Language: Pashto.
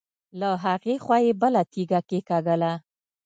له هغې خوا يې بله تيږه کېکاږله.